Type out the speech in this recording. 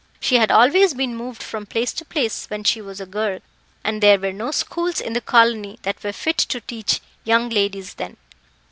She had always been moved from place to place when she was a girl, and there were no schools in the colony that were fit to teach young ladies then.